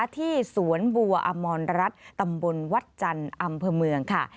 ที่สวนบัวอมรรัฐตำบลวัดจันทร์อำเภอเมืองค่ะ